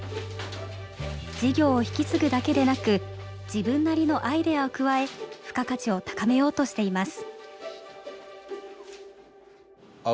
事業を引き継ぐだけでなく自分なりのアイデアを加え付加価値を高めようとしています。